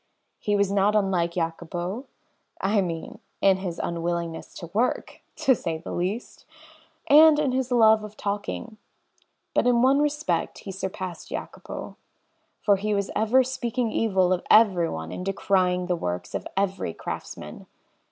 He was not unlike Jacopo I mean, in his unwillingness to work (to say the least), and in his love of talking but in one respect he surpassed Jacopo, for he was ever speaking evil of everyone and decrying the works of every craftsman.